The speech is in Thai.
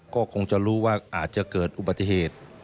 ก็คงจะรู้ว่าอาจจะเกิดอุบัติเหตุ